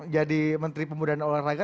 jadi menteri pemuda dan olahraga